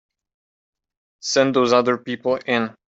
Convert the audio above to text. Send those other people in.